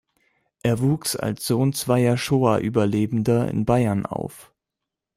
Er wuchs als Sohn zweier Shoa-Überlebender in Bayern auf.